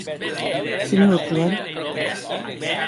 Senhor Jean.